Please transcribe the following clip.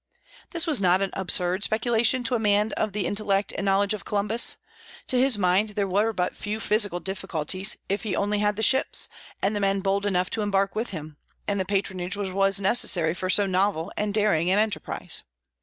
This was not an absurd speculation to a man of the intellect and knowledge of Columbus. To his mind there were but few physical difficulties if he only had the ships, and the men bold enough to embark with him, and the patronage which was necessary for so novel and daring an enterprise.